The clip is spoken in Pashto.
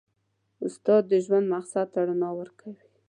استاد د ژوند مقصد ته رڼا ورکوي.